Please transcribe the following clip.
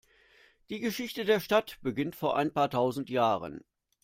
Die Geschichte der Stadt beginnt vor ein paar tausend Jahren.